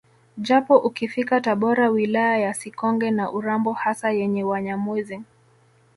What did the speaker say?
Japo ukifika Tabora wilaya ya Sikonge na Urambo hasa yenye Wanyamwezi